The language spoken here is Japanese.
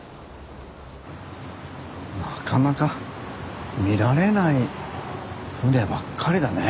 なかなか見られない船ばっかりだね。